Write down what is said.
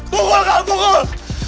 pukul kau pukul